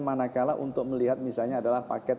manakala untuk melihat misalnya adalah paket